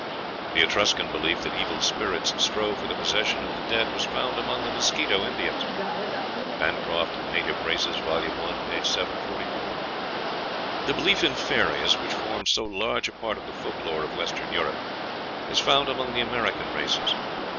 The Etruscan belief that evil spirits strove for the possession of the dead was found among the Mosquito Indians. (Bancroft, "Native Races," vol. i., p. 744.) The belief in fairies, which forms so large a part of the folklore of Western Europe, is found among the American races.